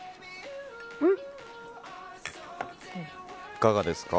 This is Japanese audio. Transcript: いかがですか？